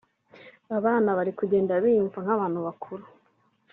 abana bari kugenda biyumva nk’abantu bakuru